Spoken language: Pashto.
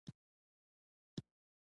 خوند یې یو په دوه شو.